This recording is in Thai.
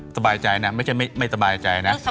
สบายใจนะไม่ใช่ไม่สบายใจนะ